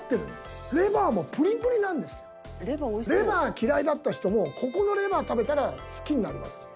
レバー嫌いだった人もここのレバー食べたら好きになります。